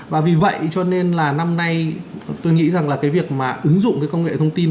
và vì vậy cho nên là năm nay tôi nghĩ rằng là cái việc mà ứng dụng cái công nghệ thông tin